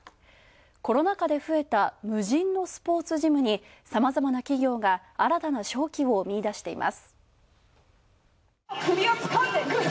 コロナ禍で増えた無人のスポーツジムにさまざまな企業があらたな商機を見出しています。